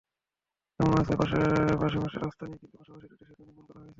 এমনও আছে, আশপাশে রাস্তা নেই, কিন্তু পাশাপাশি দুটি সেতু নির্মাণ করা হয়েছে।